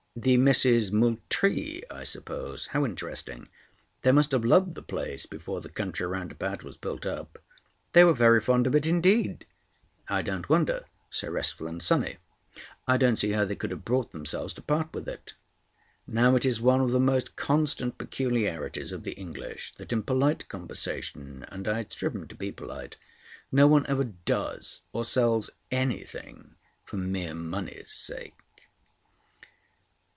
"The Misses Moultrie, I suppose. How interesting! They must have loved the place before the country round about was built up." "They were very fond of it indeed." "I don't wonder. So restful and sunny. I don't see how they could have brought themselves to part with it." Now it is one of the most constant peculiarities of the English that in polite conversation—and I had striven to be polite—no one ever does or sells anything for mere money's sake.